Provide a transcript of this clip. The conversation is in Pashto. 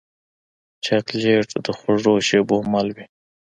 چاکلېټ د خوږو شېبو مل وي.